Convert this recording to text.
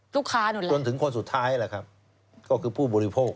จนถึงลูกค้าหนึ่งแหละครับคือผู้บริโภค